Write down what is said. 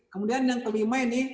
kemudian yang kelima ini